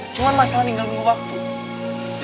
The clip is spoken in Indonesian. cuma masalah tinggal nunggu waktu